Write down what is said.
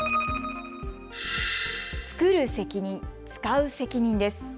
つくる責任つかう責任です。